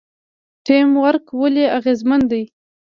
ټیم ورک ولې اغیزمن دی؟